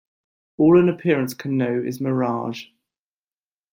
All an appearance can know is mirage.